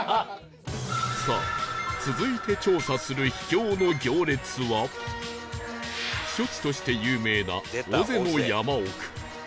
さあ続いて調査する秘境の行列は避暑地として有名な尾瀬の山奥